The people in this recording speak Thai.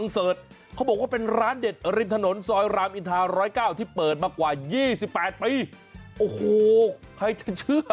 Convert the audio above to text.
สนซอยรามอินทา๑๐๙ที่เปิดมากว่า๒๘ปีโอ้โหใครจะเชื่อ